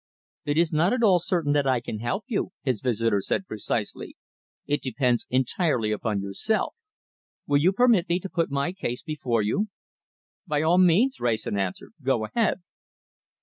"It is not at all certain that I can help you," his visitor said precisely. "It depends entirely upon yourself. Will you permit me to put my case before you?" "By all means," Wrayson answered. "Go ahead."